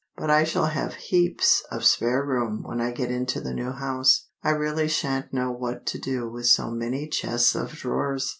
"But I shall have heaps of spare room when I get into the new house; I really shan't know what to do with so many chests of drawers!"